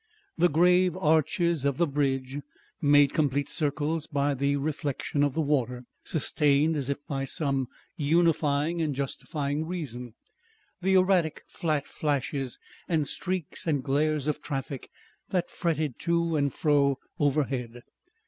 The grave arches of the bridge, made complete circles by the reflexion of the water, sustained, as if by some unifying and justifying reason, the erratic flat flashes and streaks and glares of traffic that fretted to and fro overhead.